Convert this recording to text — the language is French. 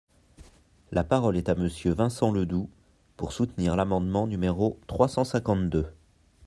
La parole est à Monsieur Vincent Ledoux, pour soutenir l’amendement numéro trois cent cinquante-deux.